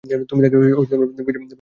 তুমি তাকে বুঝিয়ে বলতে পারবে?